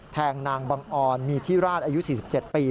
แทงนางบังออนมีที่ราชอายุ๔๗ปี